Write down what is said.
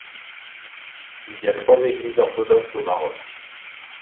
Il y a trois églises orthodoxes au Maroc.